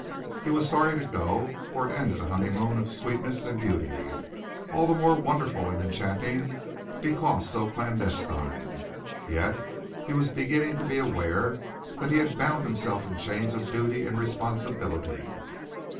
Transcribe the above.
He was sorry to go, for it ended a honeymoon of sweetness and beauty all the more wonderful and enchanting because so clandestine yet he was beginning to be aware that he had bound himself in chains of duty and responsibility.